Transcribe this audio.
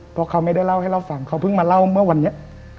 เพราะเขาไม่ได้เล่าให้เราฟังเขาเพิ่งมาเล่าเมื่อวันนี้